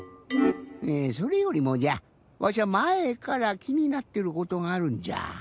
それよりもじゃわしゃまえから気になってることがあるんじゃ。